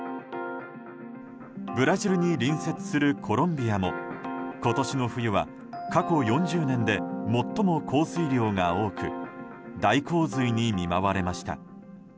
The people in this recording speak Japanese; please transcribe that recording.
ブラジルに隣接するコロンビアも今年の冬は過去４０年で最も降水量が多く大洪水に見舞われました。